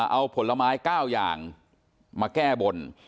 เอาผลไม้๙อย่างมาแก้บน